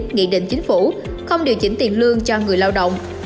nghị định chính phủ không điều chỉnh tiền lương cho người lao động